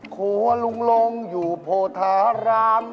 ครัวลุงลงอยู่โพธาราม